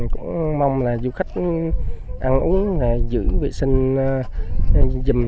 cũng mong là du khách ăn uống giữ vệ sinh dừa